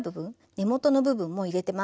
根元の部分も入れてます。